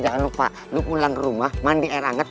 jangan lupa lu pulang rumah mandi air hangat